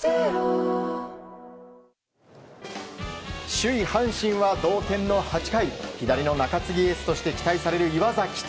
首位、阪神は同点の８回左の中継ぎエースと期待される岩崎と